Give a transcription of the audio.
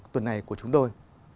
tuần này của chúng tôi